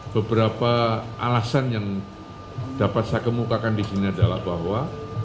beberapa alasan yang dapat saya kemukakan di sini adalah bahwa